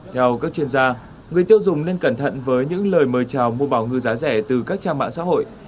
theo các chuyên gia người tiêu dùng nên cẩn thận với những lời mời chào mua bảo ngư giá rẻ từ các trang mạng xã hội